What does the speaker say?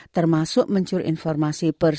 termasuk mencur informasi persenjataan